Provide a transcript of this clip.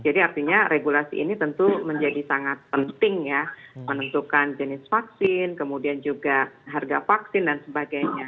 jadi artinya regulasi ini tentu menjadi sangat penting ya menentukan jenis vaksin kemudian juga harga vaksin dan sebagainya